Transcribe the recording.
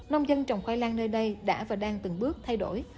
nông dân trồng khoai lang nơi đây đã và đang từng bước thay đổi